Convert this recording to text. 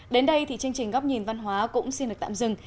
đến đây thì chương trình góc nhìn văn hóa cũng xin được tạm dừng